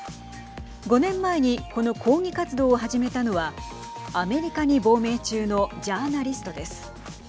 ５年前にこの抗議活動を始めたのはアメリカに亡命中のジャーナリストです。